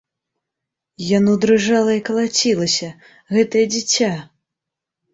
Яно дрыжала і калацілася, гэтае дзіця!